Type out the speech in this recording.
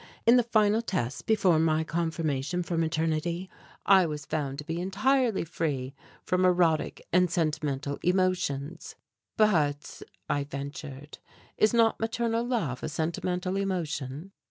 In the final tests before my confirmation for maternity I was found to be entirely free from erotic and sentimental emotions." "But," I ventured, "is not maternal love a sentimental emotion?"